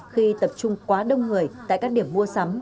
khi tập trung quá đông người tại các điểm mua sắm